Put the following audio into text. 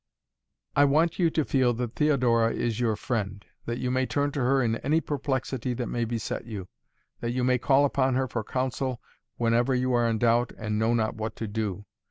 "I want you to feel that Theodora is your friend. That you may turn to her in any perplexity that may beset you, that you may call upon her for counsel whenever you are in doubt and know not what to do.